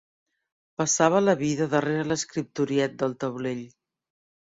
Passava la vida darrera l'escriptoriet del taulell